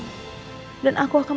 terima kasih bu